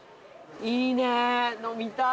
いいね飲みたい！